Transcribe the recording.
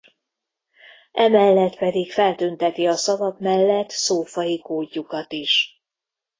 Emellett pedig feltünteti a szavak mellett szófaji kódjukat is.